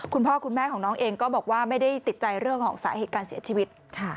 คุณพ่อคุณแม่ของน้องเองก็บอกว่าไม่ได้ติดใจเรื่องของสาเหตุการเสียชีวิต